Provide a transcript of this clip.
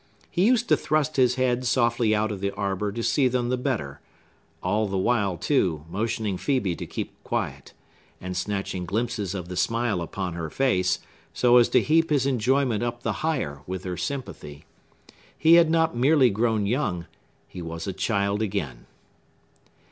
He used to thrust his head softly out of the arbor to see them the better; all the while, too, motioning Phœbe to be quiet, and snatching glimpses of the smile upon her face, so as to heap his enjoyment up the higher with her sympathy. He had not merely grown young;—he was a child again.